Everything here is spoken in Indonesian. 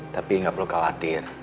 tapi nggak perlu khawatir